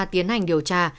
tiến hành điều tra